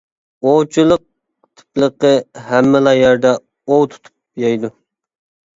ئوۋچىلىق تىپلىقى ھەممىلا يەردە ئوۋ تۇتۇپ يەيدۇ.